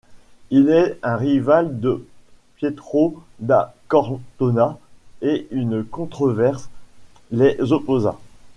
Il est un rival de Pietro da Cortona et une controverse les opposa.